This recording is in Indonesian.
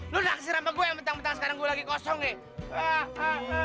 lo naksir sama gue yang betul betul sekarang gue lagi kosong ya